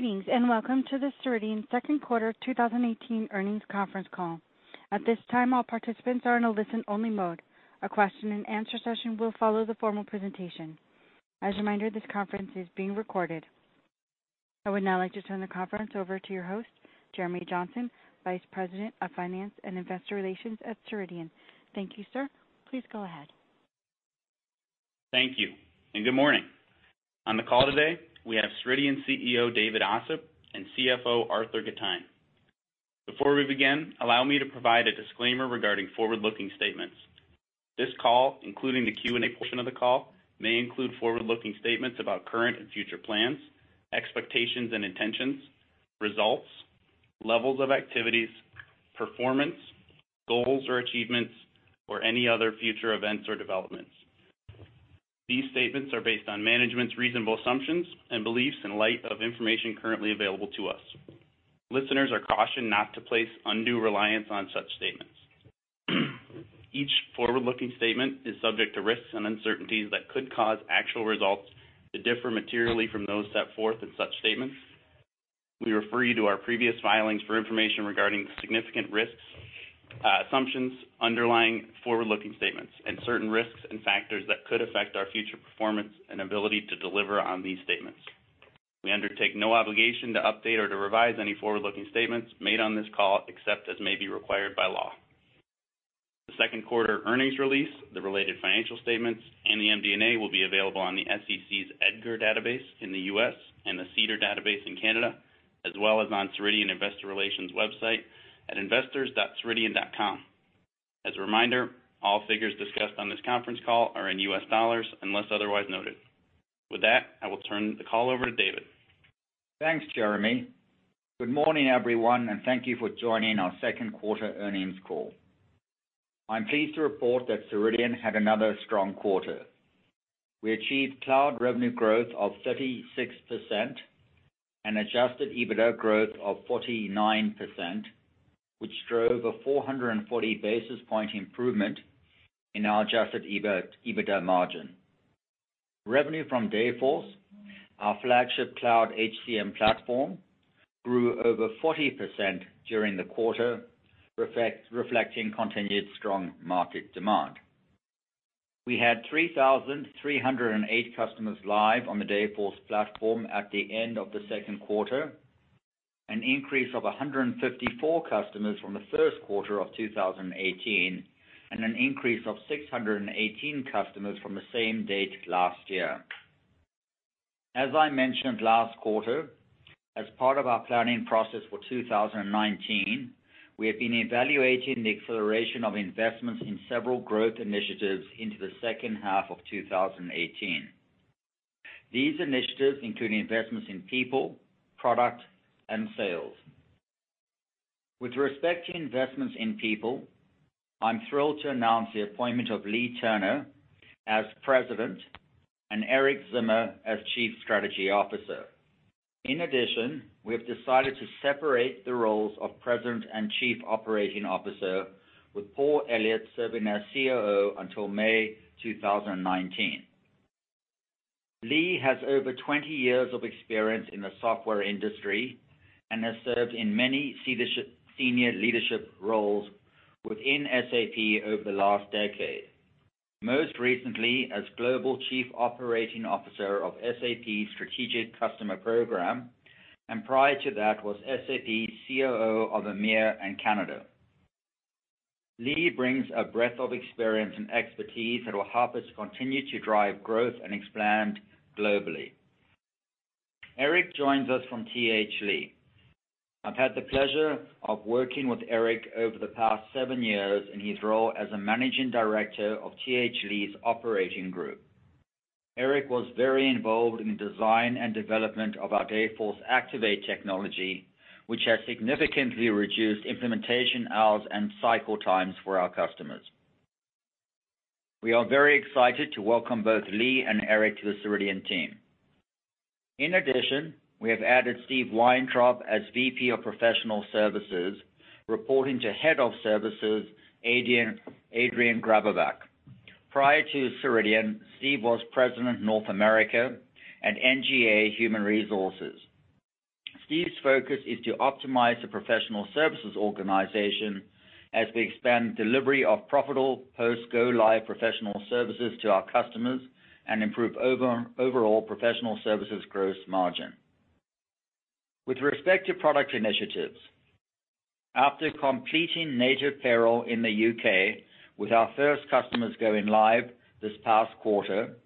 Greetings. Welcome to the Ceridian second quarter 2018 earnings conference call. At this time, all participants are in a listen-only mode. A question and answer session will follow the formal presentation. As a reminder, this conference is being recorded. I would now like to turn the conference over to your host, Jeremy Johnson, Vice President of Finance and Investor Relations at Ceridian. Thank you, sir. Please go ahead. Thank you. Good morning. On the call today, we have Ceridian CEO, David Ossip, and CFO, Arthur Gitajn. Before we begin, allow me to provide a disclaimer regarding forward-looking statements. This call, including the Q&A portion of the call, may include forward-looking statements about current and future plans, expectations and intentions, results, levels of activities, performance, goals or achievements, or any other future events or developments. These statements are based on management's reasonable assumptions and beliefs in light of information currently available to us. Listeners are cautioned not to place undue reliance on such statements. Each forward-looking statement is subject to risks and uncertainties that could cause actual results to differ materially from those set forth in such statements. We refer you to our previous filings for information regarding significant risks, assumptions underlying forward-looking statements, and certain risks and factors that could affect our future performance and ability to deliver on these statements. We undertake no obligation to update or to revise any forward-looking statements made on this call, except as may be required by law. The second quarter earnings release, the related financial statements, and the MD&A will be available on the SEC's EDGAR database in the U.S., and the SEDAR database in Canada, as well as on Ceridian investor relations website at investors.ceridian.com. As a reminder, all figures discussed on this conference call are in U.S. dollars, unless otherwise noted. With that, I will turn the call over to David. Thanks, Jeremy. Good morning, everyone. Thank you for joining our second quarter earnings call. I'm pleased to report that Ceridian had another strong quarter. We achieved cloud revenue growth of 36%, adjusted EBITDA growth of 49%, which drove a 440 basis point improvement in our adjusted EBITDA margin. Revenue from Dayforce, our flagship cloud HCM platform, grew over 40% during the quarter, reflecting continued strong market demand. We had 3,308 customers live on the Dayforce platform at the end of the second quarter, an increase of 154 customers from the first quarter of 2018, and an increase of 618 customers from the same date last year. As I mentioned last quarter, as part of our planning process for 2019, we have been evaluating the acceleration of investments in several growth initiatives into the second half of 2018. These initiatives include investments in people, product, and sales. With respect to investments in people, I am thrilled to announce the appointment of Leagh Turner as President, and Erik Zimmer as Chief Strategy Officer. In addition, we have decided to separate the roles of President and Chief Operating Officer with Paul Elliott serving as COO until May 2019. Leagh has over 20 years of experience in the software industry and has served in many senior leadership roles within SAP over the last decade, most recently as Global Chief Operating Officer of SAP Strategic Customer Program, and prior to that, was SAP COO of EMEA and Canada. Leagh brings a breadth of experience and expertise that will help us continue to drive growth and expand globally. Erik joins us from TH Lee. I have had the pleasure of working with Erik over the past 7 years in his role as a Managing Director of TH Lee's operating group. Erik was very involved in the design and development of our Dayforce Activate technology, which has significantly reduced implementation hours and cycle times for our customers. We are very excited to welcome both Leagh and Erik to the Ceridian team. In addition, we have added Steve Weintraub as VP of Professional Services, reporting to Head of Services, Adrian Anidjar. Prior to Ceridian, Steve was President of North America at NGA Human Resources. Steve's focus is to optimize the professional services organization as we expand delivery of profitable post go-live professional services to our customers and improve overall professional services gross margin. With respect to product initiatives, after completing major payroll in the U.K. with our first customers going live this past quarter,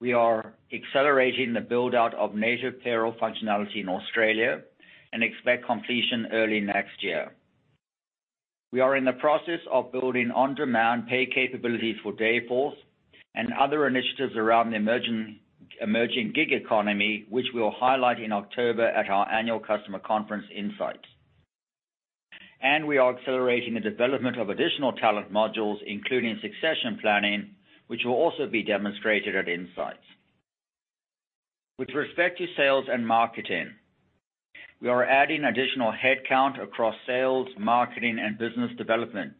we are accelerating the build-out of major payroll functionality in Australia and expect completion early next year. We are in the process of building on-demand pay capability for Dayforce and other initiatives around the emerging gig economy, which we will highlight in October at our annual customer conference INSIGHTS. We are accelerating the development of additional talent modules, including succession planning, which will also be demonstrated at INSIGHTS. With respect to sales and marketing, we are adding additional headcount across sales, marketing, and business development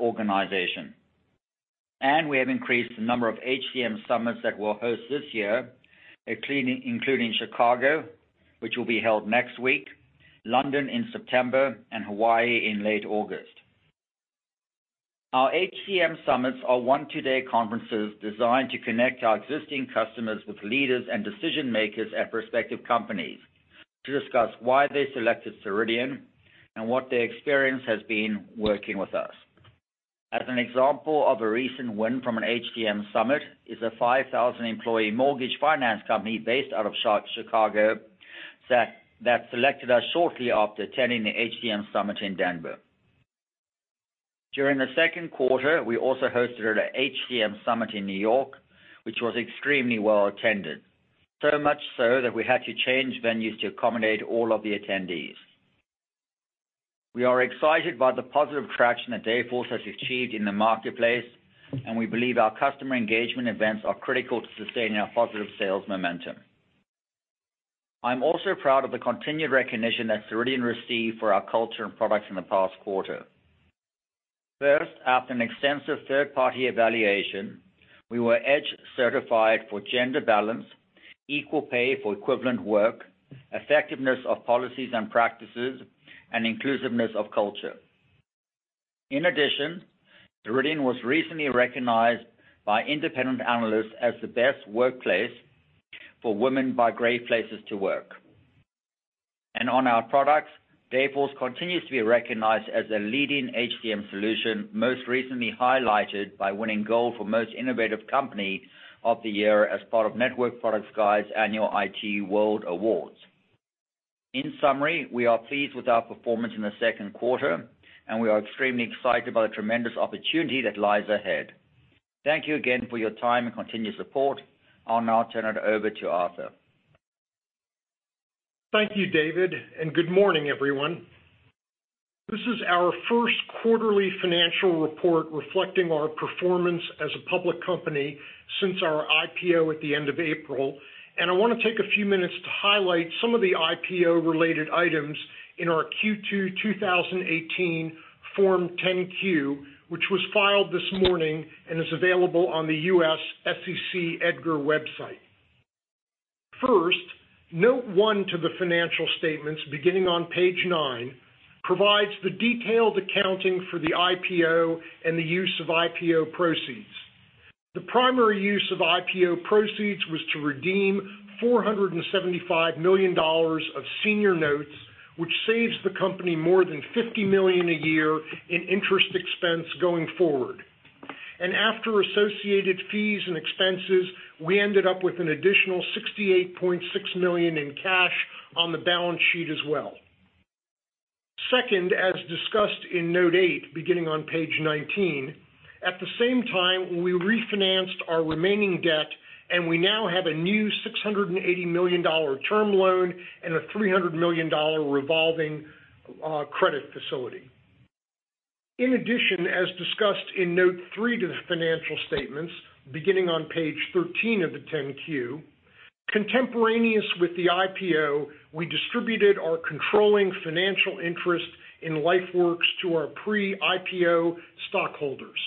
organization. We have increased the number of HCM summits that we will host this year, including Chicago, which will be held next week, London in September, and Hawaii in late August. Our HCM summits are 1-2 day conferences designed to connect our existing customers with leaders and decision-makers at prospective companies to discuss why they selected Ceridian and what their experience has been working with us. As an example of a recent win from an HCM summit is a 5,000-employee mortgage finance company based out of Chicago that selected us shortly after attending the HCM summit in Denver. During the second quarter, we also hosted an HCM summit in New York, which was extremely well-attended. So much so that we had to change venues to accommodate all of the attendees. We are excited by the positive traction that Dayforce has achieved in the marketplace, and we believe our customer engagement events are critical to sustaining our positive sales momentum. I am also proud of the continued recognition that Ceridian received for our culture and products in the past quarter. First, after an extensive third-party evaluation, we were EDGE certified for gender balance, equal pay for equivalent work, effectiveness of policies and practices, and inclusiveness of culture. In addition, Ceridian was recently recognized by independent analysts as the best workplace for women by Great Place to Work. On our products, Dayforce continues to be recognized as a leading HCM solution, most recently highlighted by winning gold for Most Innovative Company of the Year as part of Network Products Guide's annual IT World Awards. In summary, we are pleased with our performance in the second quarter, and we are extremely excited by the tremendous opportunity that lies ahead. Thank you again for your time and continued support. I'll now turn it over to Arthur. Thank you, David. Good morning, everyone. This is our first quarterly financial report reflecting our performance as a public company since our IPO at the end of April. I want to take a few minutes to highlight some of the IPO-related items in our Q2 2018 Form 10-Q, which was filed this morning and is available on the U.S. SEC EDGAR website. First, note one to the financial statements beginning on page nine provides the detailed accounting for the IPO and the use of IPO proceeds. The primary use of IPO proceeds was to redeem $475 million of senior notes, which saves the company more than $50 million a year in interest expense going forward. After associated fees and expenses, we ended up with an additional $68.6 million in cash on the balance sheet as well. Second, as discussed in note eight, beginning on page 19, at the same time, we refinanced our remaining debt, and we now have a new $680 million term loan and a $300 million revolving credit facility. In addition, as discussed in note three to the financial statements, beginning on page 13 of the 10-Q, contemporaneous with the IPO, we distributed our controlling financial interest in LifeWorks to our pre-IPO stockholders.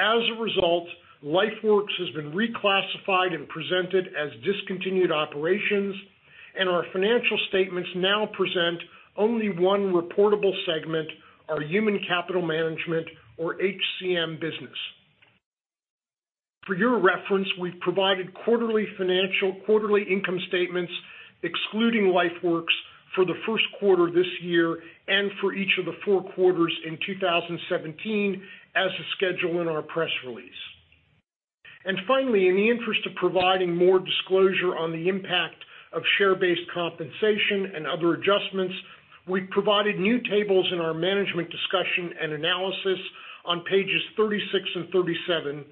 As a result, LifeWorks has been reclassified and presented as discontinued operations, and our financial statements now present only one reportable segment, our Human Capital Management or HCM business. For your reference, we've provided quarterly income statements excluding LifeWorks for the first quarter this year and for each of the four quarters in 2017 as a schedule in our press release. Finally, in the interest of providing more disclosure on the impact of share-based compensation and other adjustments, we've provided new tables in our management discussion and analysis on pages 36 and 37,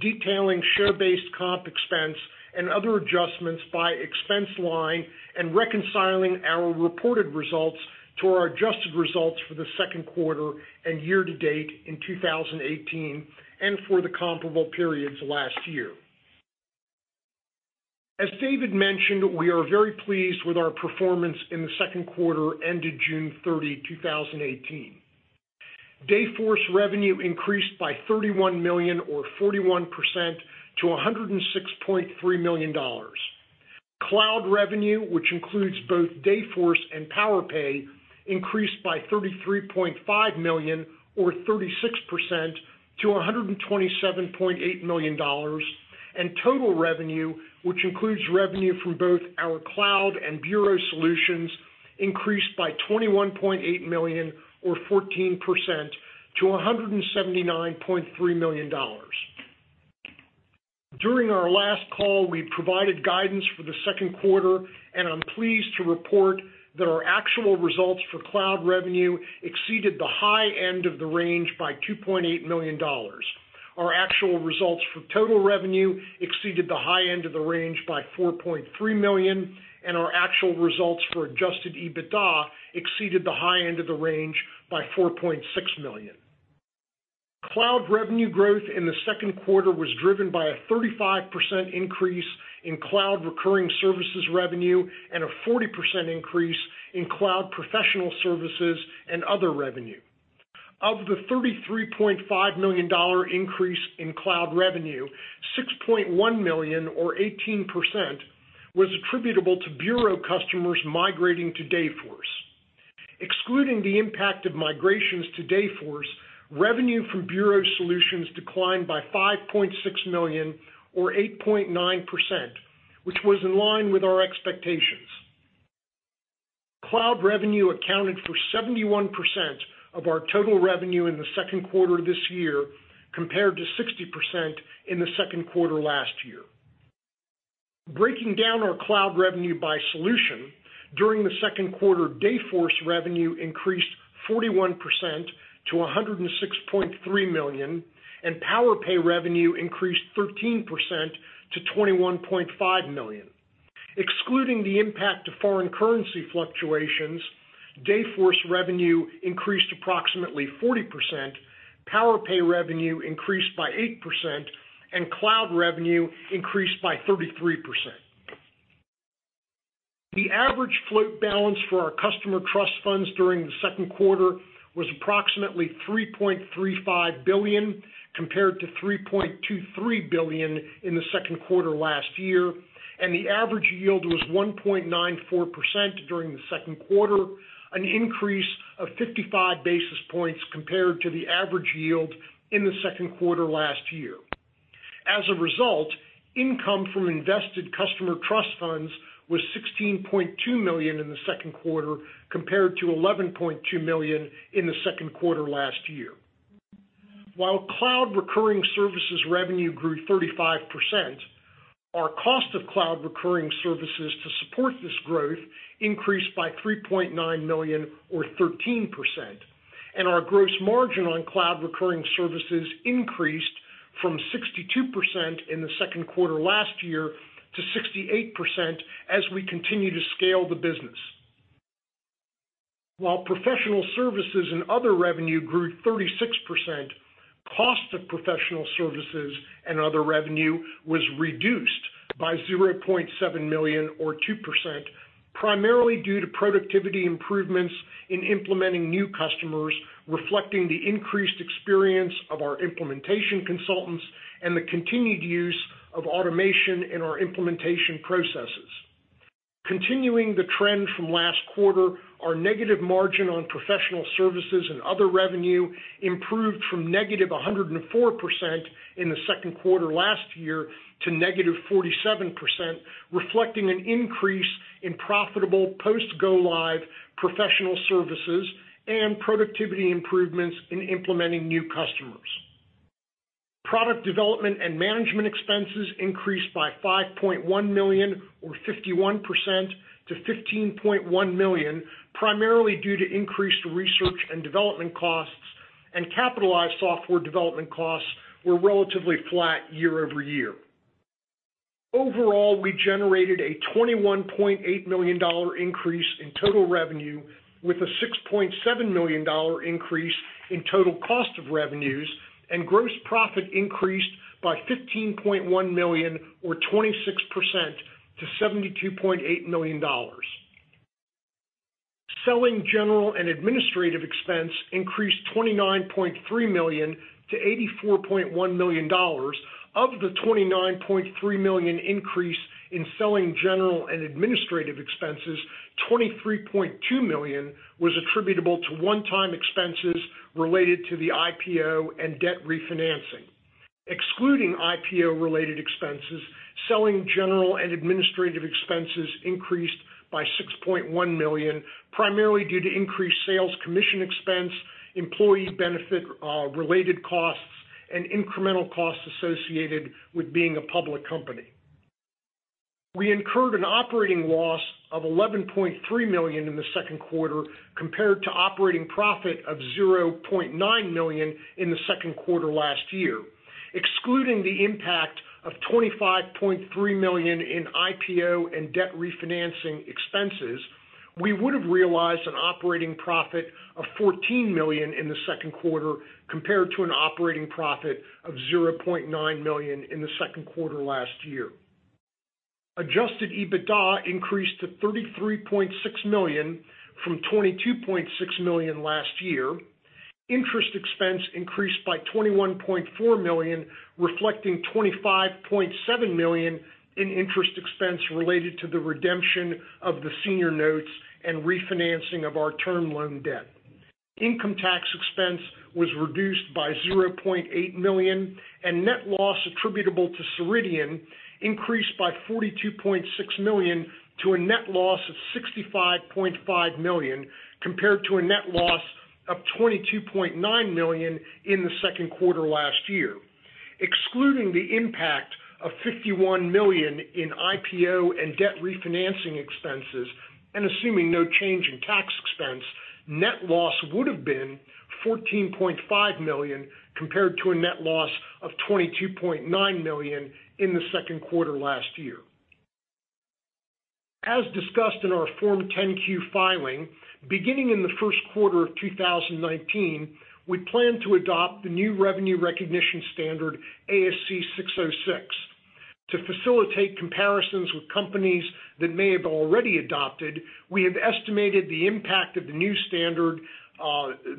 detailing share-based comp expense and other adjustments by expense line and reconciling our reported results to our adjusted results for the second quarter and year to date in 2018 and for the comparable periods last year. As David mentioned, we are very pleased with our performance in the second quarter ended June 30, 2018. Dayforce revenue increased by $31 million or 41% to $106.3 million. Cloud revenue, which includes both Dayforce and Powerpay, increased by $33.5 million or 36% to $127.8 million. Total revenue, which includes revenue from both our cloud and bureau solutions, increased by $21.8 million or 14% to $179.3 million. During our last call, we provided guidance for the second quarter. I'm pleased to report that our actual results for cloud revenue exceeded the high end of the range by $2.8 million. Our actual results for total revenue exceeded the high end of the range by $4.3 million, and our actual results for adjusted EBITDA exceeded the high end of the range by $4.6 million. Cloud revenue growth in the second quarter was driven by a 35% increase in cloud recurring services revenue and a 40% increase in cloud professional services and other revenue. Of the $33.5 million increase in cloud revenue, $6.1 million or 18% was attributable to bureau customers migrating to Dayforce. Excluding the impact of migrations to Dayforce, revenue from bureau solutions declined by $5.6 million or 8.9%, which was in line with our expectations. Cloud revenue accounted for 71% of our total revenue in the second quarter of this year, compared to 60% in the second quarter last year. Breaking down our cloud revenue by solution, during the second quarter, Dayforce revenue increased 41% to $106.3 million, and Powerpay revenue increased 13% to $21.5 million. Excluding the impact of foreign currency fluctuations, Dayforce revenue increased approximately 40%, Powerpay revenue increased by 8%, and cloud revenue increased by 33%. The average float balance for our customer trust funds during the second quarter was approximately $3.35 billion, compared to $3.23 billion in the second quarter last year, and the average yield was 1.94% during the second quarter, an increase of 55 basis points compared to the average yield in the second quarter last year. As a result, income from invested customer trust funds was $16.2 million in the second quarter, compared to $11.2 million in the second quarter last year. While cloud recurring services revenue grew 35%, our cost of cloud recurring services to support this growth increased by $3.9 million or 13%, and our gross margin on cloud recurring services increased from 62% in the second quarter last year to 68% as we continue to scale the business. While professional services and other revenue grew 36%, cost of professional services and other revenue was reduced by $0.7 million or 2%, primarily due to productivity improvements in implementing new customers, reflecting the increased experience of our implementation consultants and the continued use of automation in our implementation processes. Continuing the trend from last quarter, our negative margin on professional services and other revenue improved from negative 104% in the second quarter last year to negative 47%, reflecting an increase in profitable post go-live professional services and productivity improvements in implementing new customers. Product development and management expenses increased by $5.1 million or 51% to $15.1 million, primarily due to increased research and development costs, and capitalized software development costs were relatively flat year over year. Overall, we generated a $21.8 million increase in total revenue with a $6.7 million increase in total cost of revenues. Gross profit increased by $15.1 million or 26% to $72.8 million. Selling general and administrative expense increased $29.3 million to $84.1 million. Of the $29.3 million increase in selling general and administrative expenses, $23.2 million was attributable to one-time expenses related to the IPO and debt refinancing. Excluding IPO-related expenses, selling, general, and administrative expenses increased by $6.1 million, primarily due to increased sales commission expense, employee benefit-related costs, and incremental costs associated with being a public company. We incurred an operating loss of $11.3 million in the second quarter, compared to operating profit of $0.9 million in the second quarter last year. Excluding the impact of $25.3 million in IPO and debt refinancing expenses, we would have realized an operating profit of $14 million in the second quarter, compared to an operating profit of $0.9 million in the second quarter last year. Adjusted EBITDA increased to $33.6 million from $22.6 million last year. Interest expense increased by $21.4 million, reflecting $25.7 million in interest expense related to the redemption of the senior notes and refinancing of our term loan debt. Income tax expense was reduced by $0.8 million. Net loss attributable to Ceridian increased by $42.6 million to a net loss of $65.5 million, compared to a net loss of $22.9 million in the second quarter last year. Excluding the impact of $51 million in IPO and debt refinancing expenses, and assuming no change in tax expense, net loss would have been $14.5 million compared to a net loss of $22.9 million in the second quarter last year. As discussed in our Form 10-Q filing, beginning in the first quarter of 2019, we plan to adopt the new revenue recognition standard, ASC 606. To facilitate comparisons with companies that may have already adopted, we have estimated the impact of the new standard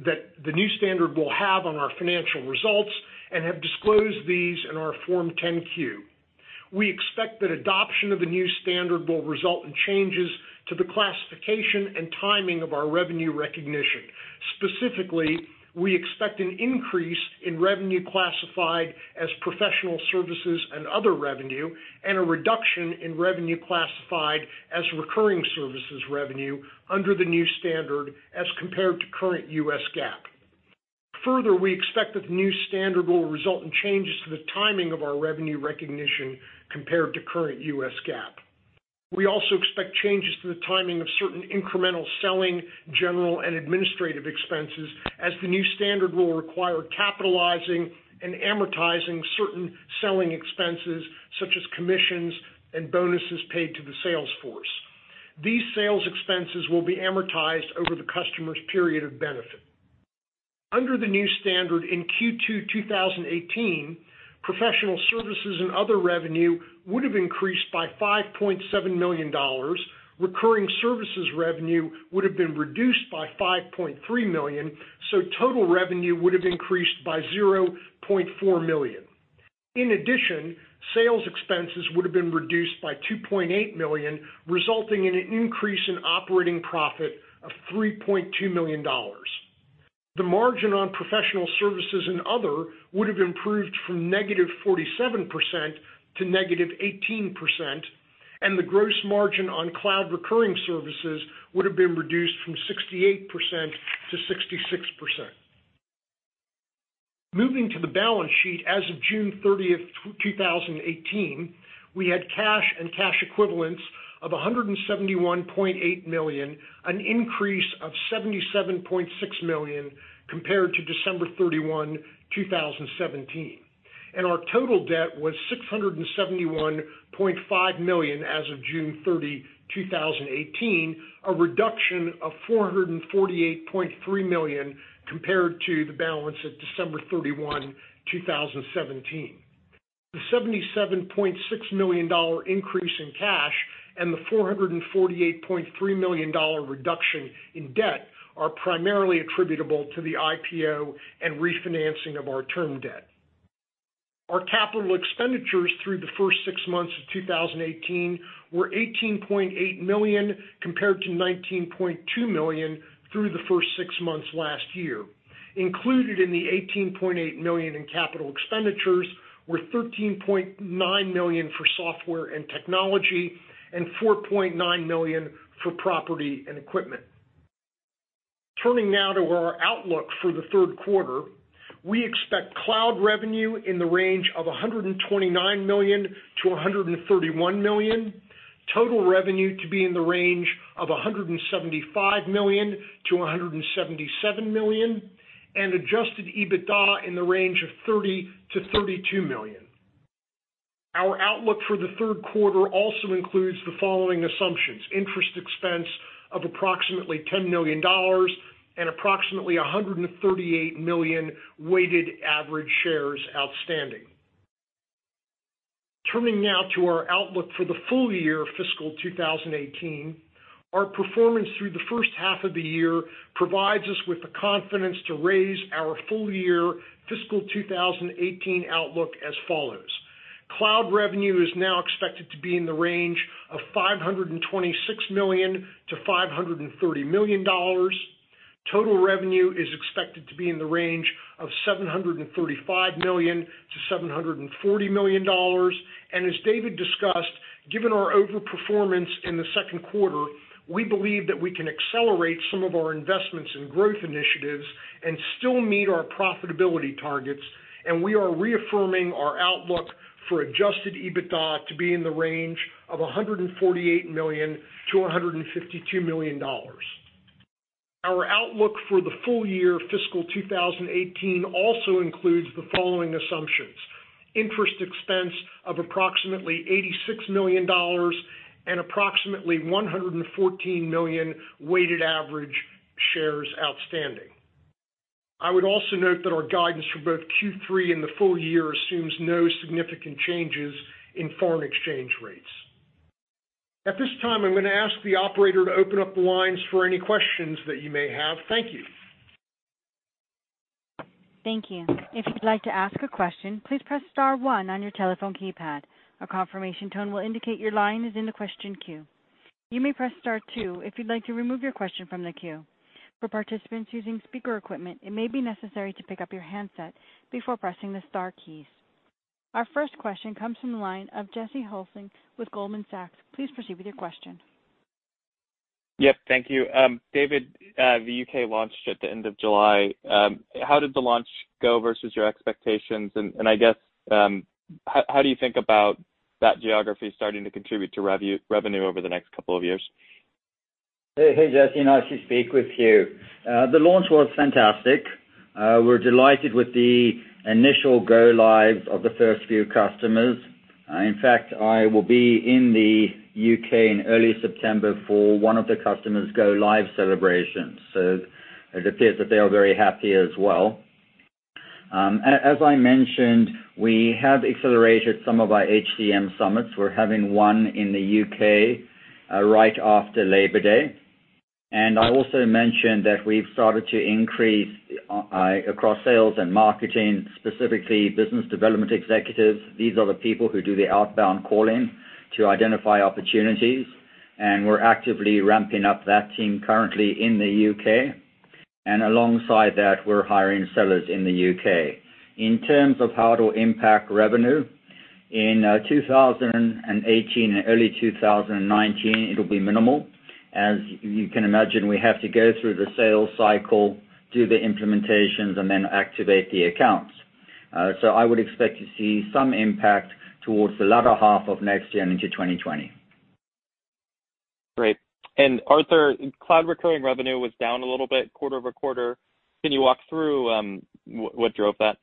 that the new standard will have on our financial results and have disclosed these in our Form 10-Q. We expect that adoption of the new standard will result in changes to the classification and timing of our revenue recognition. Specifically, we expect an increase in revenue classified as professional services and other revenue, and a reduction in revenue classified as recurring services revenue under the new standard as compared to current U.S. GAAP. Further, we expect that the new standard will result in changes to the timing of our revenue recognition compared to current U.S. GAAP. We also expect changes to the timing of certain incremental selling, general, and administrative expenses, as the new standard will require capitalizing and amortizing certain selling expenses, such as commissions and bonuses paid to the sales force. These sales expenses will be amortized over the customer's period of benefit. Under the new standard in Q2 2018, professional services and other revenue would have increased by $5.7 million. Recurring services revenue would have been reduced by $5.3 million. Total revenue would have increased by $0.4 million. In addition, sales expenses would have been reduced by $2.8 million, resulting in an increase in operating profit of $3.2 million. The margin on professional services and other would have improved from -47% to -18%, and the gross margin on cloud recurring services would have been reduced from 68%-66%. Moving to the balance sheet, as of June 30, 2018, we had cash and cash equivalents of $171.8 million, an increase of $77.6 million compared to December 31, 2017. Our total debt was $671.5 million as of June 30, 2018, a reduction of $448.3 million compared to the balance at December 31, 2017. The $77.6 million increase in cash and the $448.3 million reduction in debt are primarily attributable to the IPO and refinancing of our term debt. Our capital expenditures through the first six months of 2018 were $18.8 million, compared to $19.2 million through the first six months last year. Included in the $18.8 million in capital expenditures were $13.9 million for software and technology and $4.9 million for property and equipment. Turning now to our outlook for the third quarter. We expect cloud revenue in the range of $129 million to $131 million, total revenue to be in the range of $175 million to $177 million, and adjusted EBITDA in the range of $30 million to $32 million. Our outlook for the third quarter also includes the following assumptions: interest expense of approximately $10 million and approximately 138 million weighted average shares outstanding. Turning now to our outlook for the full year fiscal 2018. Our performance through the first half of the year provides us with the confidence to raise our full year fiscal 2018 outlook as follows. Cloud revenue is now expected to be in the range of $526 million to $530 million. Total revenue is expected to be in the range of $735 million to $740 million. As David discussed, given our overperformance in the second quarter, we believe that we can accelerate some of our investments in growth initiatives and still meet our profitability targets, and we are reaffirming our outlook for adjusted EBITDA to be in the range of $148 million to $152 million. Our outlook for the full year fiscal 2018 also includes the following assumptions: interest expense of approximately $86 million and approximately 114 million weighted average shares outstanding. I would also note that our guidance for both Q3 and the full year assumes no significant changes in foreign exchange rates. At this time, I'm going to ask the operator to open up the lines for any questions that you may have. Thank you. Thank you. If you'd like to ask a question, please press star one on your telephone keypad. A confirmation tone will indicate your line is in the question queue. You may press star two if you'd like to remove your question from the queue. For participants using speaker equipment, it may be necessary to pick up your handset before pressing the star keys. Our first question comes from the line of Jesse Hulsing with Goldman Sachs. Please proceed with your question. Yep. Thank you. David, the U.K. launched at the end of July. How did the launch go versus your expectations? I guess, how do you think about that geography starting to contribute to revenue over the next couple of years? Hey, Jesse. Nice to speak with you. The launch was fantastic. We're delighted with the initial go-live of the first few customers. In fact, I will be in the U.K. in early September for one of the customers' go-live celebrations. It appears that they are very happy as well. As I mentioned, we have accelerated some of our HCM summits. We're having one in the U.K. right after Labor Day. I also mentioned that we've started to increase across sales and marketing, specifically Business Development Executives. These are the people who do the outbound calling to identify opportunities, and we're actively ramping up that team currently in the U.K. Alongside that, we're hiring sellers in the U.K. In terms of how it'll impact revenue, in 2018 and early 2019, it'll be minimal. As you can imagine, we have to go through the sales cycle, do the implementations, and then activate the accounts. I would expect to see some impact towards the latter half of next year and into 2020. Great. Arthur, cloud recurring revenue was down a little bit quarter-over-quarter. Can you walk through what drove that?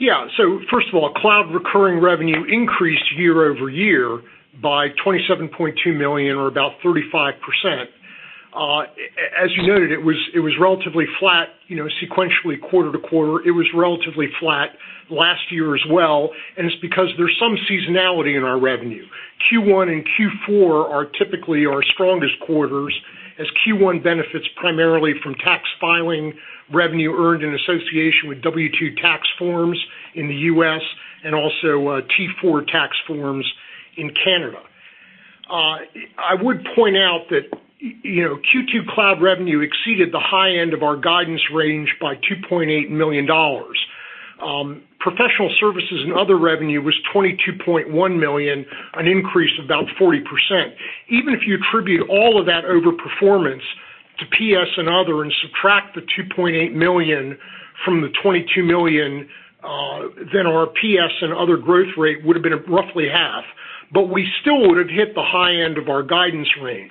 First of all, cloud recurring revenue increased year-over-year by $27.2 million or about 35%. As you noted, it was relatively flat sequentially quarter-to-quarter. It was relatively flat last year as well. It's because there's some seasonality in our revenue. Q1 and Q4 are typically our strongest quarters, as Q1 benefits primarily from tax filing, revenue earned in association with W2 tax forms in the U.S., and also T4 tax forms in Canada. I would point out that Q2 cloud revenue exceeded the high end of our guidance range by $2.8 million. Professional services and other revenue was $22.1 million, an increase of about 40%. Even if you attribute all of that over performance to PS and other, and subtract the $2.8 million from the $22 million, then our PS and other growth rate would've been roughly half. We still would've hit the high end of our guidance range.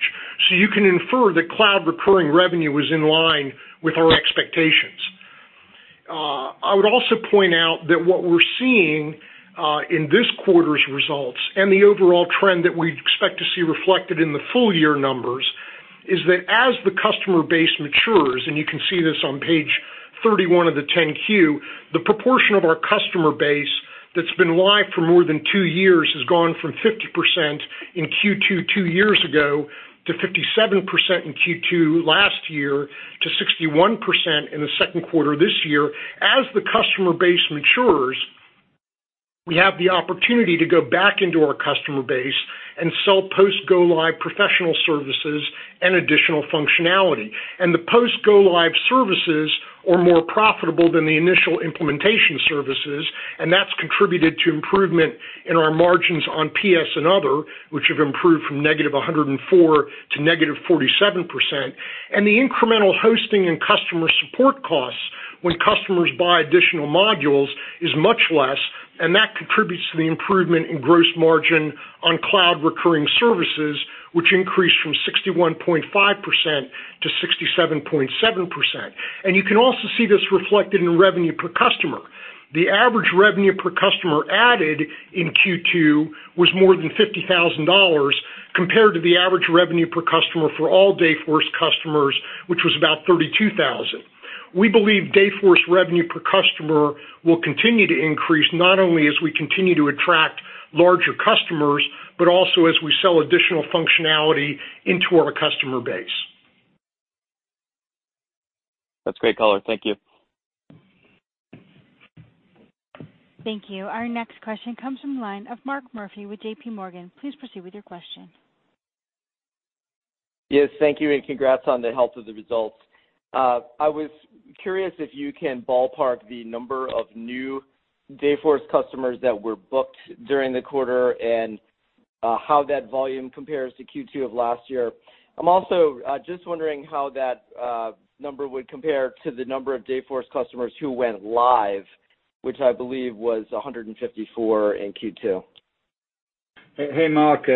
You can infer that cloud recurring revenue was in line with our expectations. I would also point out that what we're seeing in this quarter's results and the overall trend that we expect to see reflected in the full year numbers, is that as the customer base matures, and you can see this on page 31 of the 10-Q, the proportion of our customer base that's been live for more than two years has gone from 50% in Q2 two years ago, to 57% in Q2 last year, to 61% in the second quarter this year. As the customer base matures, we have the opportunity to go back into our customer base and sell post go-live professional services and additional functionality. The post go-live services are more profitable than the initial implementation services, that's contributed to improvement in our margins on PS and other, which have improved from -104% to -47%. The incremental hosting and customer support costs when customers buy additional modules is much less, that contributes to the improvement in gross margin on cloud recurring services, which increased from 61.5% to 67.7%. You can also see this reflected in revenue per customer. The average revenue per customer added in Q2 was more than $50,000 compared to the average revenue per customer for all Dayforce customers, which was about $32,000. We believe Dayforce revenue per customer will continue to increase, not only as we continue to attract larger customers, but also as we sell additional functionality into our customer base. That's great color. Thank you. Thank you. Our next question comes from the line of Mark Murphy with JPMorgan. Please proceed with your question. Yes, thank you, and congrats on the health of the results. I was curious if you can ballpark the number of new Dayforce customers that were booked during the quarter and how that volume compares to Q2 of last year. I am also just wondering how that number would compare to the number of Dayforce customers who went live, which I believe was 154 in Q2. Hey, Mark.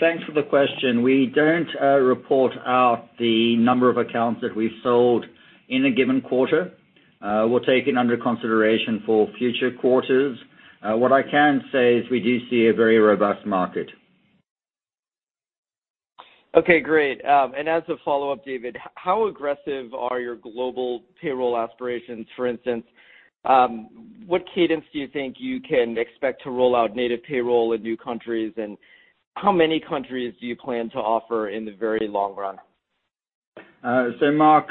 Thanks for the question. We don't report out the number of accounts that we've sold in a given quarter. We'll take it under consideration for future quarters. What I can say is we do see a very robust market. Okay, great. As a follow-up, David, how aggressive are your global payroll aspirations? For instance, what cadence do you think you can expect to roll out native payroll in new countries, and how many countries do you plan to offer in the very long run? Mark,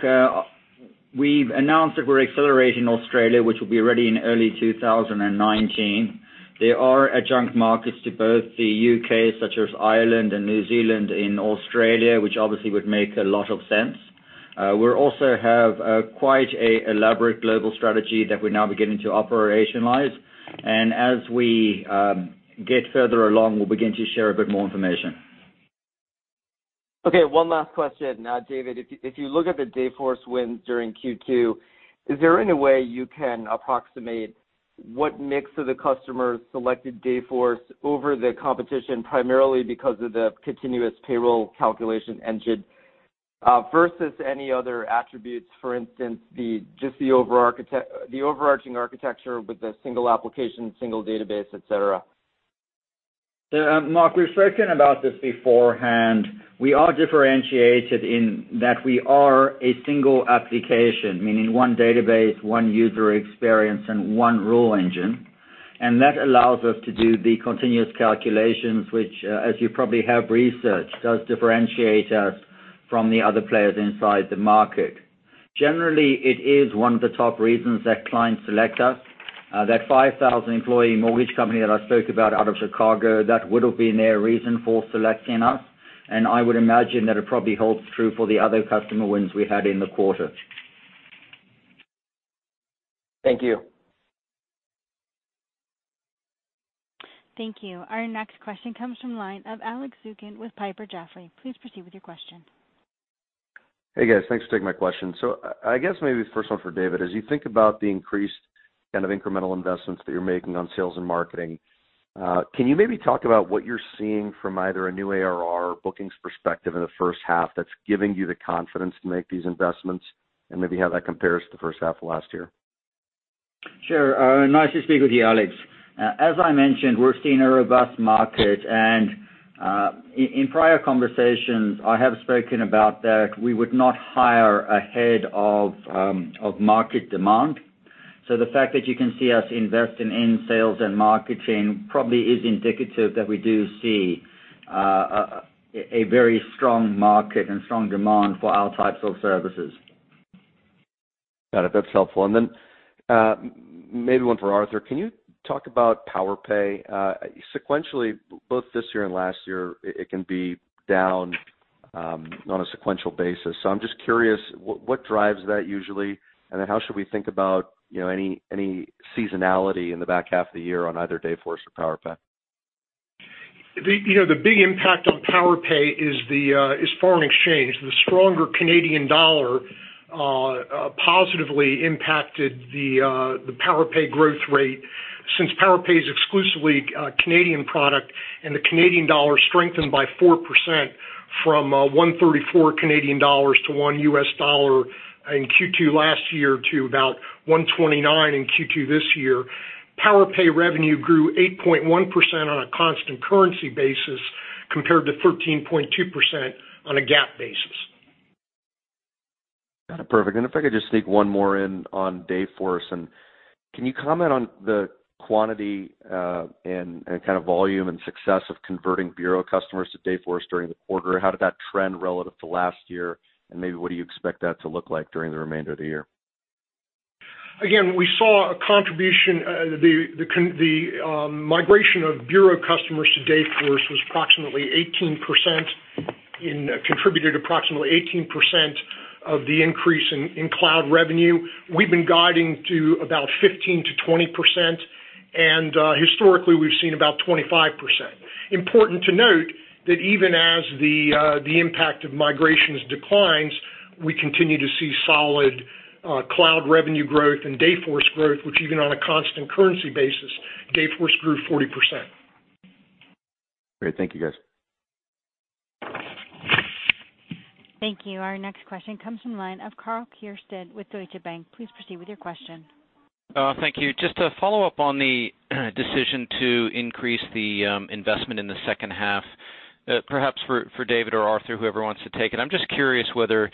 we've announced that we're accelerating Australia, which will be ready in early 2019. There are adjunct markets to both the U.K., such as Ireland and New Zealand and Australia, which obviously would make a lot of sense. We also have quite an elaborate global strategy that we're now beginning to operationalize. As we get further along, we'll begin to share a bit more information. Okay. One last question. David, if you look at the Dayforce wins during Q2, is there any way you can approximate what mix of the customers selected Dayforce over the competition, primarily because of the continuous payroll calculation engine, versus any other attributes? For instance, just the overarching architecture with the single application, single database, et cetera. Mark, we've spoken about this beforehand. We are differentiated in that we are a single application, meaning one database, one user experience, and one rule engine. That allows us to do the continuous calculations, which, as you probably have researched, does differentiate us from the other players inside the market. Generally, it is one of the top reasons that clients select us. That 5,000-employee mortgage company that I spoke about out of Chicago, that would've been their reason for selecting us, and I would imagine that it probably holds true for the other customer wins we had in the quarter. Thank you. Thank you. Our next question comes from the line of Alex Zukin with Piper Jaffray. Please proceed with your question. Hey, guys. Thanks for taking my question. I guess maybe the first one for David, as you think about the increased kind of incremental investments that you're making on sales and marketing, can you maybe talk about what you're seeing from either a new ARR bookings perspective in the first half that's giving you the confidence to make these investments, and maybe how that compares to the first half of last year? Sure. Nice to speak with you, Alex. As I mentioned, we're seeing a robust market, and in prior conversations, I have spoken about that we would not hire ahead of market demand. The fact that you can see us investing in sales and marketing probably is indicative that we do see a very strong market and strong demand for our types of services. Got it. That's helpful. Then maybe one for Arthur. Can you talk about Powerpay? Sequentially, both this year and last year, it can be down on a sequential basis. I'm just curious, what drives that usually? Then how should we think about any seasonality in the back half of the year on either Dayforce or Powerpay? The big impact on Powerpay is foreign exchange. The stronger Canadian dollar positively impacted the Powerpay growth rate since Powerpay is exclusively a Canadian product and the Canadian dollar strengthened by 4% from 134 Canadian dollars to $1 in Q2 last year to about 129 in Q2 this year. Powerpay revenue grew 8.1% on a constant currency basis compared to 13.2% on a GAAP basis. Got it. Perfect. If I could just sneak one more in on Dayforce, can you comment on the quantity and kind of volume and success of converting bureau customers to Dayforce during the quarter? How did that trend relative to last year? Maybe what do you expect that to look like during the remainder of the year? Again, we saw a contribution, the migration of bureau customers to Dayforce was approximately 18%, and contributed approximately 18% of the increase in cloud revenue. We've been guiding to about 15%-20%, and historically, we've seen about 25%. Important to note that even as the impact of migrations declines, we continue to see solid cloud revenue growth and Dayforce growth, which even on a constant currency basis, Dayforce grew 40%. Great. Thank you, guys. Thank you. Our next question comes from the line of Karl Keirstead with Deutsche Bank. Please proceed with your question. Thank you. Just to follow up on the decision to increase the investment in the second half, perhaps for David or Arthur, whoever wants to take it. I'm just curious whether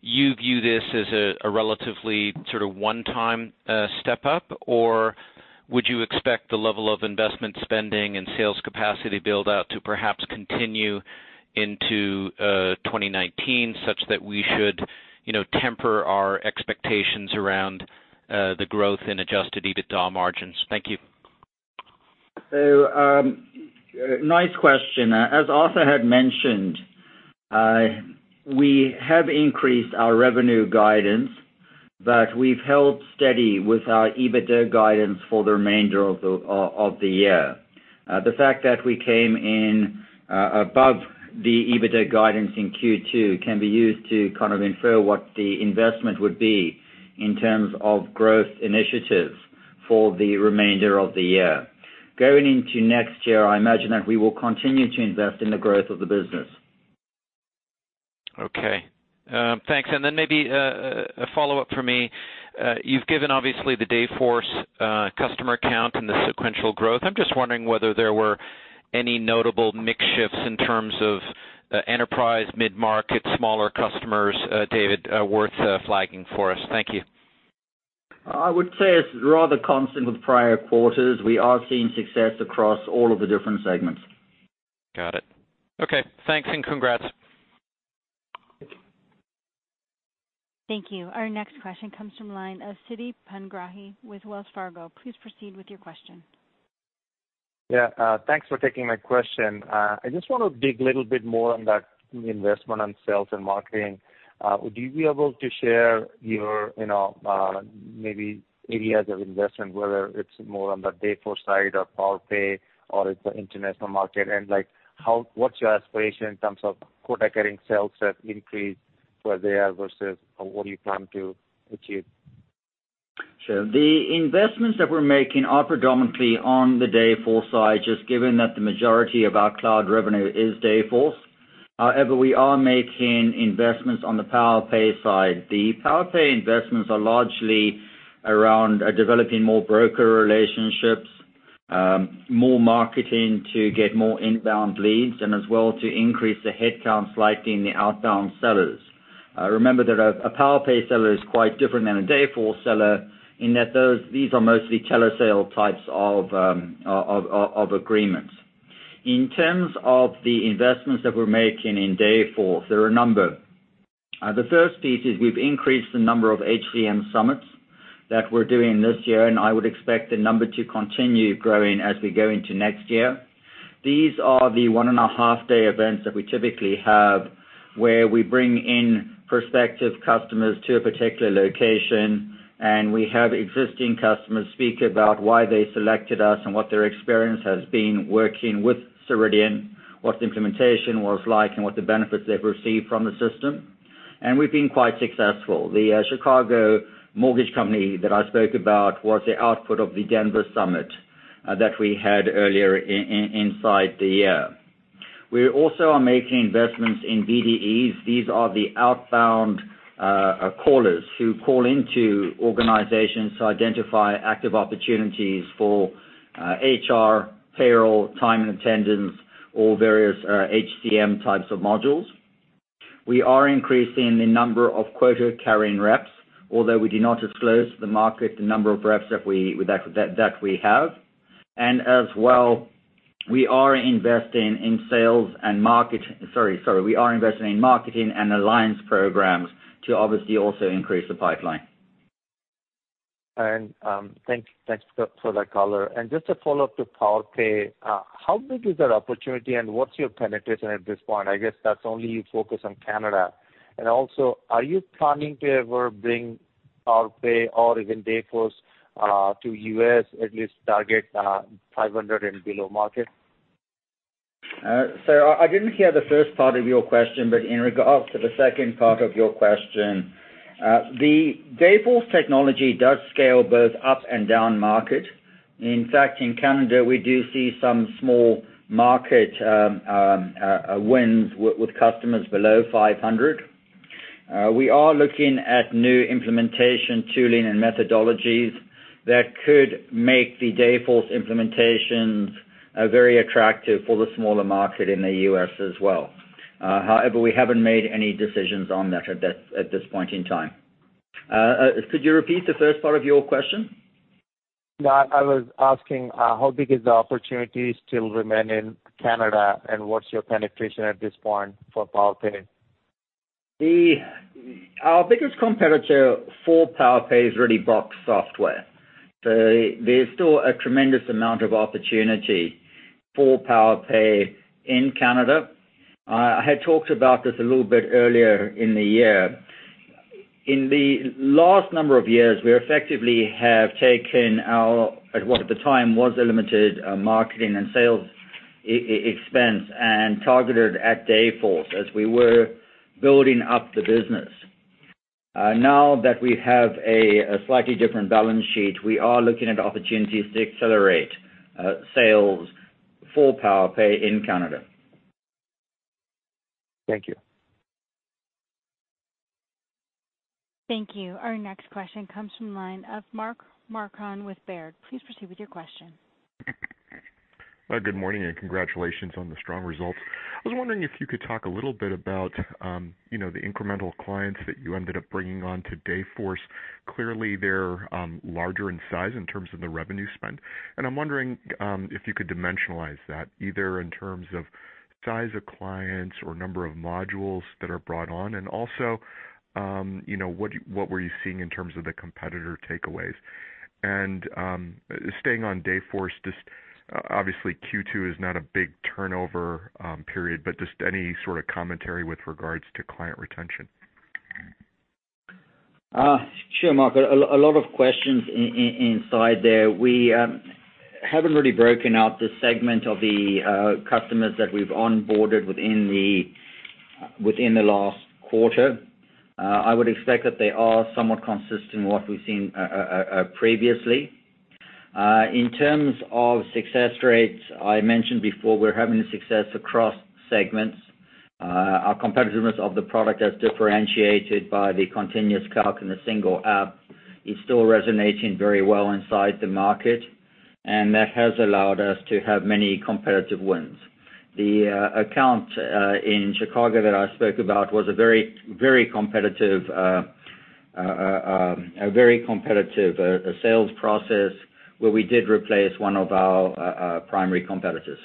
you view this as a relatively sort of one-time step up, or would you expect the level of investment spending and sales capacity build-out to perhaps continue into 2019, such that we should temper our expectations around the growth in adjusted EBITDA margins? Thank you. Nice question. As Arthur had mentioned, we have increased our revenue guidance, but we've held steady with our EBITDA guidance for the remainder of the year. The fact that we came in above the EBITDA guidance in Q2 can be used to kind of infer what the investment would be in terms of growth initiatives for the remainder of the year. Going into next year, I imagine that we will continue to invest in the growth of the business. Okay. Thanks. Maybe a follow-up from me. You've given, obviously, the Dayforce customer count and the sequential growth. I'm just wondering whether there were any notable mix shifts in terms of enterprise, mid-market, smaller customers, David, worth flagging for us. Thank you. I would say it's rather constant with prior quarters. We are seeing success across all of the different segments. Got it. Okay, thanks and congrats. Thank you. Thank you. Our next question comes from the line of Siti Panigrahi with Wells Fargo. Please proceed with your question. Thanks for taking my question. I just want to dig a little bit more on that investment on sales and marketing. Would you be able to share your maybe areas of investment, whether it's more on the Dayforce side or Powerpay, or it's the international market? What's your aspiration in terms of quota-carrying sales increase for the year versus what you plan to achieve? Sure. The investments that we're making are predominantly on the Dayforce side, just given that the majority of our cloud revenue is Dayforce. However, we are making investments on the Powerpay side. The Powerpay investments are largely around developing more broker relationships, more marketing to get more inbound leads, and as well to increase the headcount slightly in the outbound sellers. Remember that a Powerpay seller is quite different than a Dayforce seller in that these are mostly telesale types of agreements. In terms of the investments that we're making in Dayforce, there are a number. The first piece is we've increased the number of HCM summits that we're doing this year. I would expect the number to continue growing as we go into next year. These are the one-and-a-half day events that we typically have where we bring in prospective customers to a particular location. We have existing customers speak about why they selected us and what their experience has been working with Ceridian, what the implementation was like, and what the benefits they've received from the system. We've been quite successful. The Chicago mortgage company that I spoke about was the output of the Denver summit that we had earlier inside the year. We also are making investments in BDEs. These are the outbound callers who call into organizations to identify active opportunities for HR, payroll, time and attendance, or various HCM types of modules. We are increasing the number of quota-carrying reps, although we do not disclose to the market the number of reps that we have. As well, we are investing in marketing and alliance programs to obviously also increase the pipeline. Thanks for that color. Just a follow-up to PowerPay. How big is that opportunity, and what's your penetration at this point? I guess that's only focused on Canada. Also, are you planning to ever bring PowerPay or even Dayforce to U.S., at least target 500 and below market? I didn't hear the first part of your question, but in regards to the second part of your question, the Dayforce technology does scale both up and down market. In fact, in Canada, we do see some small market wins with customers below 500. We are looking at new implementation tooling and methodologies that could make the Dayforce implementations very attractive for the smaller market in the U.S. as well. We haven't made any decisions on that at this point in time. Could you repeat the first part of your question? Yeah. I was asking how big is the opportunity still remain in Canada, and what's your penetration at this point for PowerPay? Our biggest competitor for PowerPay is really box software. There's still a tremendous amount of opportunity for PowerPay in Canada. I had talked about this a little bit earlier in the year. In the last number of years, we effectively have taken our, at what at the time was a limited marketing and sales expense and targeted at Dayforce as we were building up the business. Now that we have a slightly different balance sheet, we are looking at opportunities to accelerate sales for PowerPay in Canada. Thank you. Thank you. Our next question comes from the line of Mark Marcon with Baird. Please proceed with your question. Good morning, congratulations on the strong results. I was wondering if you could talk a little bit about the incremental clients that you ended up bringing on to Dayforce. Clearly, they're larger in size in terms of the revenue spend, I'm wondering if you could dimensionalize that, either in terms of size of clients or number of modules that are brought on. Also, what were you seeing in terms of the competitor takeaways? Staying on Dayforce, obviously Q2 is not a big turnover period, but just any sort of commentary with regards to client retention. Sure, Mark. A lot of questions inside there. We haven't really broken out the segment of the customers that we've onboarded within the last quarter. I would expect that they are somewhat consistent with what we've seen previously. In terms of success rates, I mentioned before, we're having success across segments. Our competitiveness of the product as differentiated by the continuous calc and the single app is still resonating very well inside the market. That has allowed us to have many competitive wins. The account in Chicago that I spoke about was a very competitive sales process where we did replace one of our primary competitors.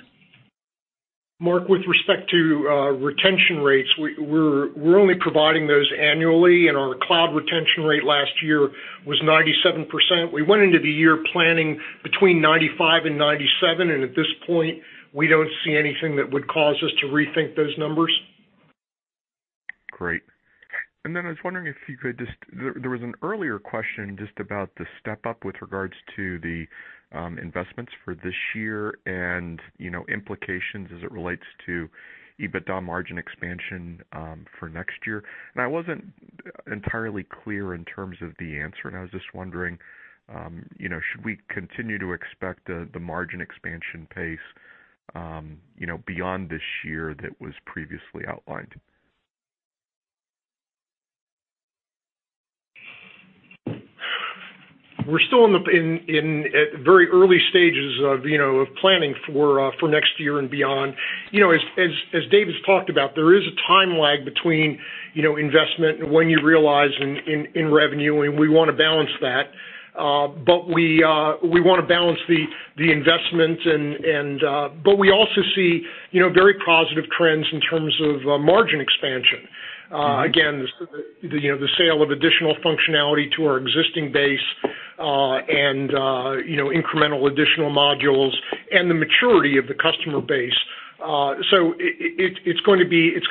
Mark, with respect to retention rates, we're only providing those annually. Our cloud retention rate last year was 97%. We went into the year planning between 95% and 97%. At this point, we don't see anything that would cause us to rethink those numbers. Great. I was wondering if you could just. There was an earlier question just about the step-up with regards to the investments for this year and implications as it relates to EBITDA margin expansion for next year. I wasn't entirely clear in terms of the answer, and I was just wondering, should we continue to expect the margin expansion pace beyond this year that was previously outlined? We're still in very early stages of planning for next year and beyond. As David's talked about, there is a time lag between investment and when you realize in revenue. We want to balance that. We want to balance the investment, but we also see very positive trends in terms of margin expansion. Again, the sale of additional functionality to our existing base and incremental additional modules and the maturity of the customer base. It's going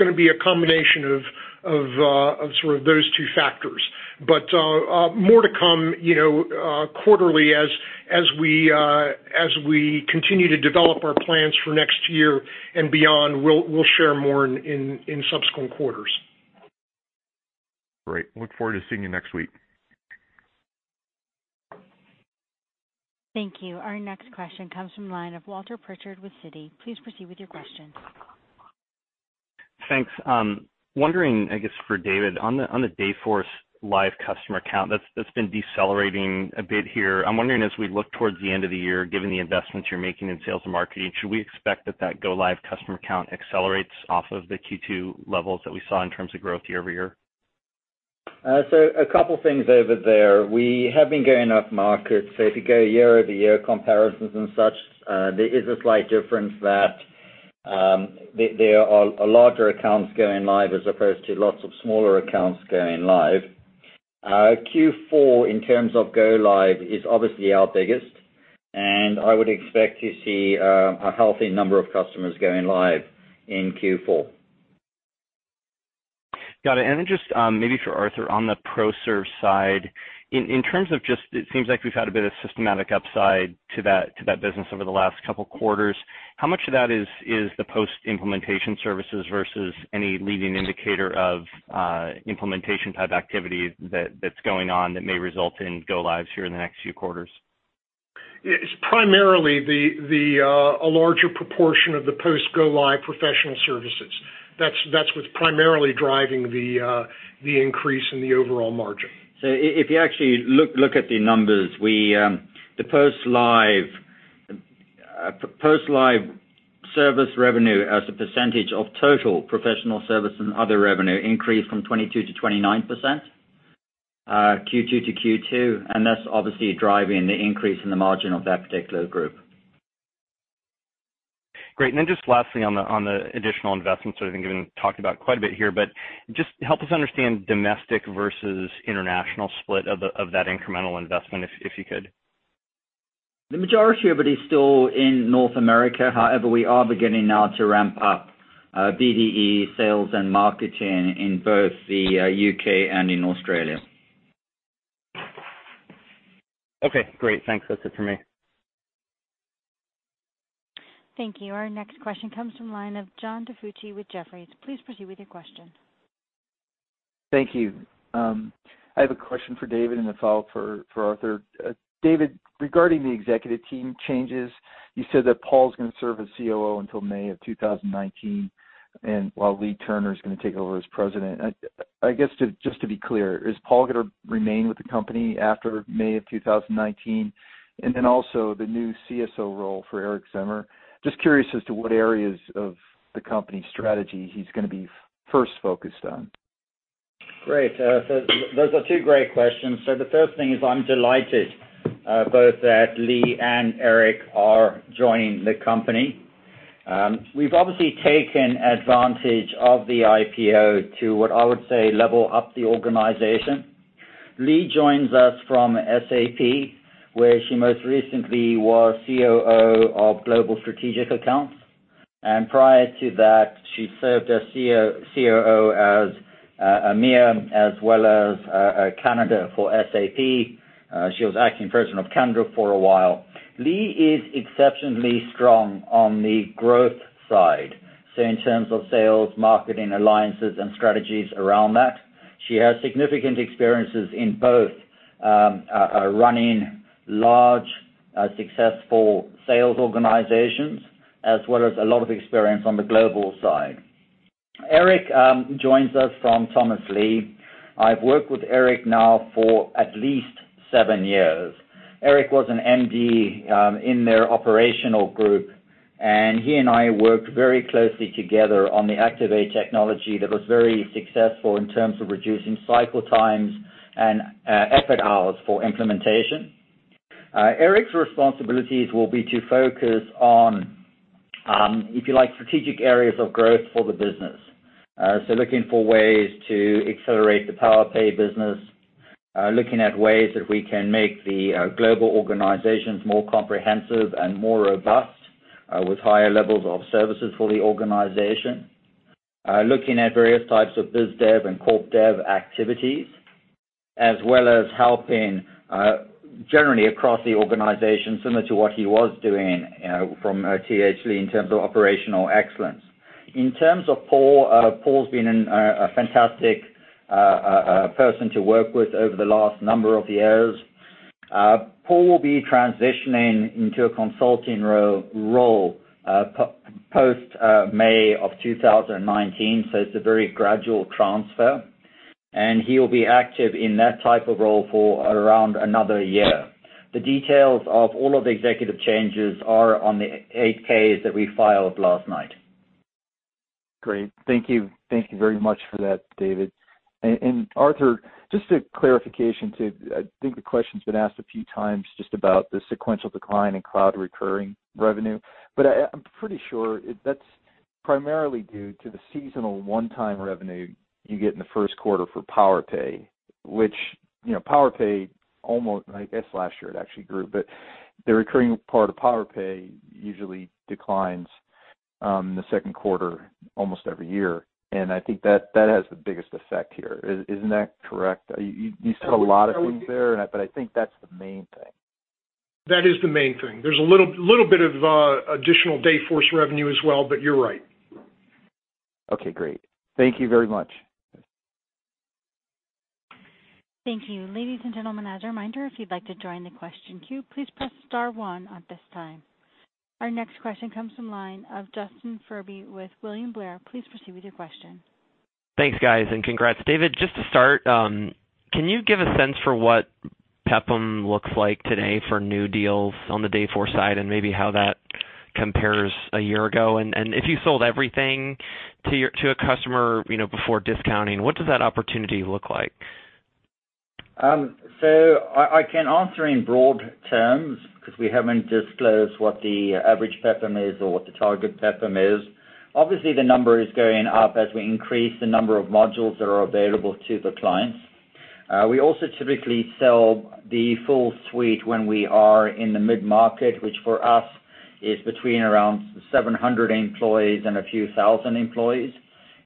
to be a combination of those two factors, but more to come quarterly as we continue to develop our plans for next year and beyond, we'll share more in subsequent quarters. Great. Look forward to seeing you next week. Thank you. Our next question comes from the line of Walter Pritchard with Citi. Please proceed with your question. Thanks. Wondering, I guess for David, on the Dayforce Live customer count, that's been decelerating a bit here. I'm wondering, as we look towards the end of the year, given the investments you're making in sales and marketing, should we expect that go live customer count accelerates off of the Q2 levels that we saw in terms of growth year-over-year? A couple things over there. We have been going off market. If you go year-over-year comparisons and such, there is a slight difference that there are larger accounts going live as opposed to lots of smaller accounts going live. Q4, in terms of go live, is obviously our biggest, and I would expect to see a healthy number of customers going live in Q4. Got it. Just maybe for Arthur, on the ProServ side, it seems like we've had a bit of systematic upside to that business over the last couple quarters. How much of that is the post-implementation services versus any leading indicator of implementation type activity that's going on that may result in go lives here in the next few quarters? It's primarily a larger proportion of the post go live professional services. That's what's primarily driving the increase in the overall margin. If you actually look at the numbers, the post live service revenue as a percentage of total professional service and other revenue increased from 22% to 29%, Q2 to Q2, and that's obviously driving the increase in the margin of that particular group. Great. Then just lastly on the additional investments that have been talked about quite a bit here, but just help us understand domestic versus international split of that incremental investment, if you could. The majority of it is still in North America. However, we are beginning now to ramp up BDE sales and marketing in both the U.K. and in Australia. Okay, great. Thanks. That's it for me. Thank you. Our next question comes from line of John DiFucci with Jefferies. Please proceed with your question. Thank you. I have a question for David and a follow for Arthur. David, regarding the executive team changes, you said that Paul's going to serve as COO until May of 2019. While Leagh Turner is going to take over as President. I guess just to be clear, is Paul going to remain with the company after May of 2019? Also the new CSO role for Erik Zimmer, just curious as to what areas of the company strategy he's going to be first focused on. Great. Those are two great questions. The first thing is I'm delighted both that Lee and Erik are joining the company. We've obviously taken advantage of the IPO to, what I would say, level up the organization. Lee joins us from SAP, where she most recently was COO of Global Strategic Accounts. Prior to that, she served as COO as EMEA as well as Canada for SAP. She was acting President of Canada for a while. Lee is exceptionally strong on the growth side. So in terms of sales, marketing, alliances, and strategies around that. She has significant experiences in both running large successful sales organizations as well as a lot of experience on the global side. Erik joins us from Thomas Lee. I've worked with Erik now for at least seven years. Erik was an MD in their operational group, he and I worked very closely together on the Activate technology that was very successful in terms of reducing cycle times and effort hours for implementation. Erik's responsibilities will be to focus on, if you like, strategic areas of growth for the business. Looking for ways to accelerate the Powerpay business, looking at ways that we can make the global organizations more comprehensive and more robust with higher levels of services for the organization, looking at various types of biz dev and corp dev activities, as well as helping generally across the organization, similar to what he was doing from TH Lee in terms of operational excellence. In terms of Paul's been a fantastic person to work with over the last number of years. Paul will be transitioning into a consulting role post May 2019, it's a very gradual transfer, he will be active in that type of role for around another year. The details of all of the executive changes are on the 8-Ks that we filed last night. Great. Thank you. Thank you very much for that, David. Arthur, just a clarification too. I think the question's been asked a few times just about the sequential decline in cloud recurring revenue. I'm pretty sure that's primarily due to the seasonal one-time revenue you get in the first quarter for Powerpay, which, Powerpay almost, I guess, last year it actually grew. The recurring part of Powerpay usually declines in the second quarter almost every year, I think that has the biggest effect here. Isn't that correct? You said a lot of things there, but I think that's the main thing. That is the main thing. There's a little bit of additional Dayforce revenue as well, you're right. Okay, great. Thank you very much. Thank you. Ladies and gentlemen, as a reminder, if you'd like to join the question queue, please press star one at this time. Our next question comes from line of Justin Furby with William Blair. Please proceed with your question. Thanks, guys, and congrats. David, just to start, can you give a sense for what PEPM looks like today for new deals on the Dayforce side and maybe how that compares a year ago? If you sold everything to a customer before discounting, what does that opportunity look like? I can answer in broad terms because we haven't disclosed what the average PEPM is or what the target PEPM is. Obviously, the number is going up as we increase the number of modules that are available to the clients. We also typically sell the full suite when we are in the mid-market, which for us is between around 700 employees and a few thousand employees.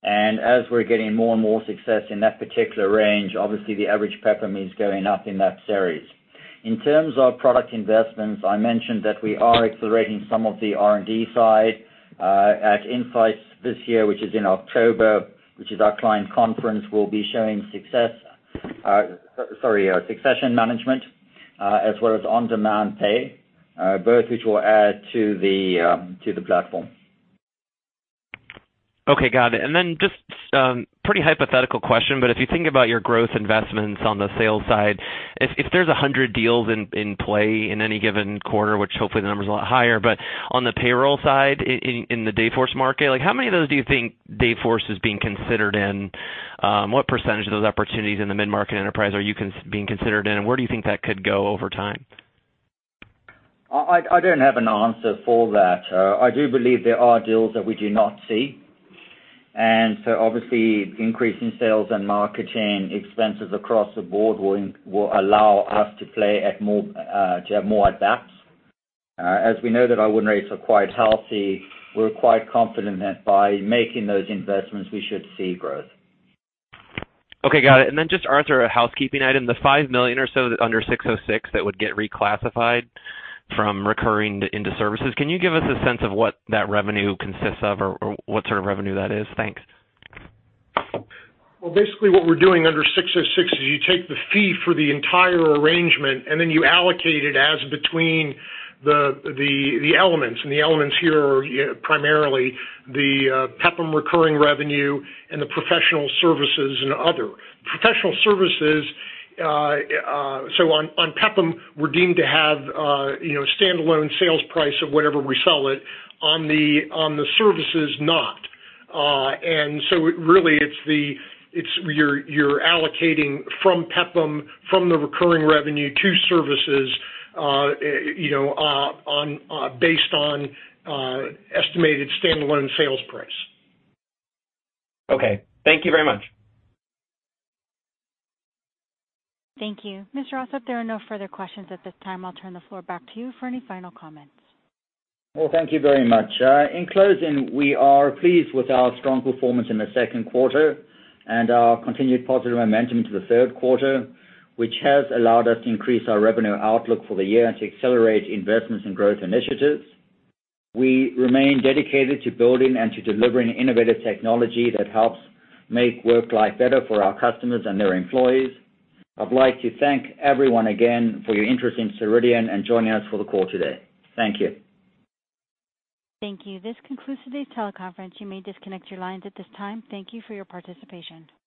As we're getting more and more success in that particular range, obviously the average PEPM is going up in that series. In terms of product investments, I mentioned that we are accelerating some of the R&D side at INSIGHTS this year, which is in October, which is our client conference. We'll be showing succession management, as well as on-demand pay, both which will add to the platform. Okay, got it. Just pretty hypothetical question, but if you think about your growth investments on the sales side, if there's 100 deals in play in any given quarter, which hopefully the number's a lot higher, but on the payroll side, in the Dayforce market, how many of those do you think Dayforce is being considered in? What percentage of those opportunities in the mid-market enterprise are you being considered in, and where do you think that could go over time? I don't have an answer for that. I do believe there are deals that we do not see. Obviously, increasing sales and marketing expenses across the board will allow us to have more at-bats. We know that our win rates are quite healthy, we're quite confident that by making those investments, we should see growth. Okay, got it. Just Arthur, a housekeeping item. The $5 million or so under 606 that would get reclassified from recurring into services, can you give us a sense of what that revenue consists of or what sort of revenue that is? Thanks. Well, basically what we're doing under 606 is you take the fee for the entire arrangement, you allocate it as between the elements. The elements here are primarily the PEPM recurring revenue and the professional services and other. Professional services, so on PEPM, we're deemed to have a standalone sales price of whatever we sell it, on the services not. Really you're allocating from PEPM, from the recurring revenue to services based on estimated standalone sales price. Okay. Thank you very much. Thank you. Mr. Ossip, there are no further questions at this time. I'll turn the floor back to you for any final comments. Well, thank you very much. In closing, we are pleased with our strong performance in the second quarter and our continued positive momentum into the third quarter, which has allowed us to increase our revenue outlook for the year and to accelerate investments in growth initiatives. We remain dedicated to building and to delivering innovative technology that helps make work life better for our customers and their employees. I'd like to thank everyone again for your interest in Ceridian and joining us for the call today. Thank you. Thank you. This concludes today's teleconference. You may disconnect your lines at this time. Thank you for your participation.